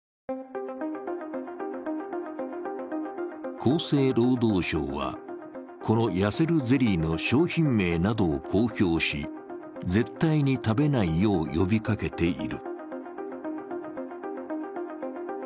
厚生労働省は、この痩せるゼリーの商品名などを公表し、絶対に食べないよう呼びかけている。